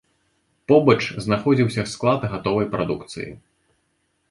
Побач знаходзіўся склад гатовай прадукцыі.